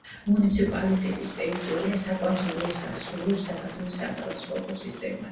მუნიციპალიტეტის ტერიტორია საკვანძო როლს ასრულებს საქართველოს სატრანსპორტო სისტემაში.